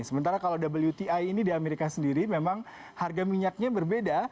sementara kalau wti ini di amerika sendiri memang harga minyaknya berbeda